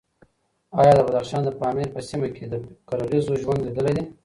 ایا د بدخشان د پامیر په سیمه کې د قرغیزو ژوند لیدلی دی؟